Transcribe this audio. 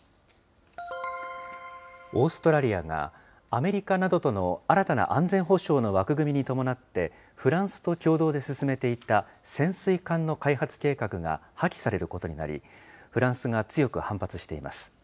オーストラリアが、アメリカなどとの新たな安全保障の枠組みに伴って、フランスと共同で進めていた潜水艦の開発計画が破棄されることになり、フランスが強く反発しています。